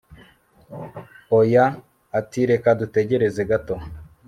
oya! ati reka dutegereze gato